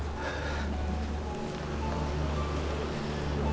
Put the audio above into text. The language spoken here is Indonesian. kasian dulu ya